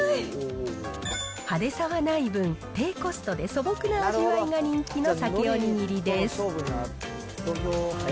派手さはない分、低コストで素朴な味わいが人気のサケお握りです。